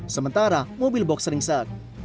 sementara mobil box sering sak